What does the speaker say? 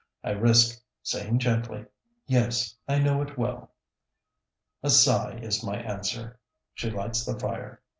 I risk saying, gently, "Yes, I know it well." A sigh is my answer. She lights the fire.